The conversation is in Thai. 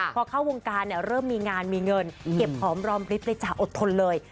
พอเข้าวงการเนี่ยเริ่มมีงานมีเงินเก็บหอมรอมริบเลยจ้ะอดทนเลย